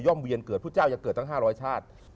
เวียนเกิดพระเจ้ายังเกิดตั้ง๕๐๐ชาติ